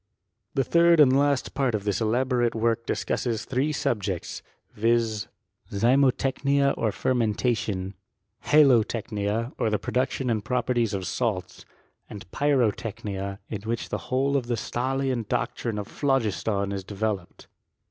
The third and last part of this elaborate work dis . cusses threesubjects; viz. zymotechniaozfei mentation, hiilotecknia, or the production and properties of salts, z. a6, pyrotechnia, in which the whole of the Stahlian doctrine of jiA/cpiis/on is developed.